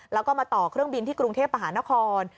แล้วก็มาต่อเครื่องบินที่กรุงเทพมหานคร